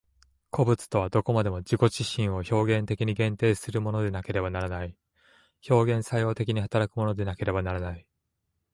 個物とはどこまでも自己自身を表現的に限定するものでなければならない、表現作用的に働くものでなければならない。